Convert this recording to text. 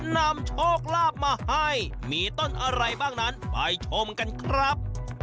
นำโชคลาภมาให้มีต้นอะไรบ้างนั้นไปชมกันครับ